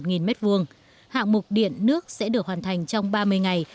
hạng mục điện nước sẽ được hoàn thành trong ba mươi ngày